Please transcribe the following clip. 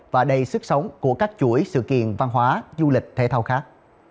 và đầy sức sống của các chuỗi sự kiện văn hóa du lịch thể thao khác